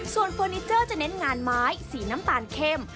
ส่วนเฟอร์นิเจอร์จะเน้นงานไม้สีน้ำตาลเข้ม